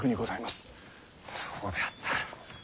そうであった。